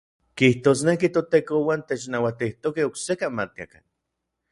Kijtosneki ToTekouan technauatijtokej oksekan matiakan.